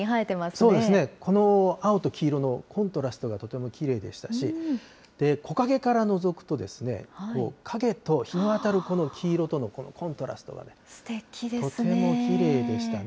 そうですね、この青と黄色のコントラストがとてもきれいでしたし、木陰からのぞくと、影と日の当たるこの黄色とのコントラストが、とてもきれいでしたね。